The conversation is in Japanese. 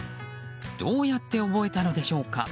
どうやって覚えたのでしょうか。